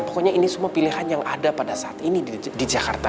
pokoknya ini semua pilihan yang ada pada saat ini di jakarta